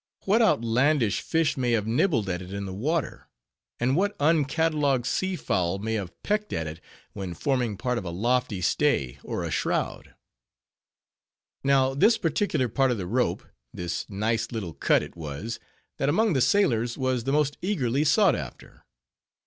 What outlandish fish may have nibbled at it in the water, and what un catalogued sea fowl may have pecked at it, when forming part of a lofty stay or a shroud? Now, this particular part of the rope, this nice little "cut" it was, that among the sailors was the most eagerly sought after.